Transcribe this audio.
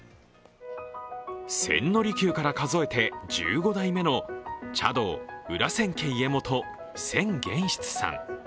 千利休から数えて１５代目の茶道裏千家家元・千玄室さん。